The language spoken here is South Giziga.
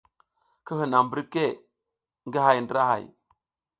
Ki hinam mbirke ngi hay ndra hay.